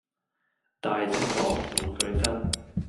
大隻講，無句真